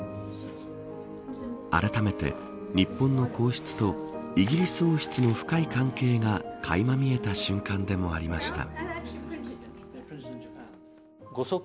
あらためて、日本の皇室とイギリス王室の深い関係がかいま見えた瞬間でもありました